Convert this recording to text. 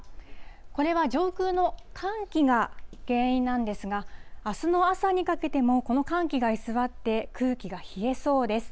これは上空の寒気が原因なんですが、あすの朝にかけても、この寒気が居座って、空気が冷えそうです。